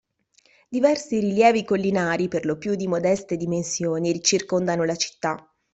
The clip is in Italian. Diversi rilievi collinari, per lo più di modeste dimensioni, circondano la città.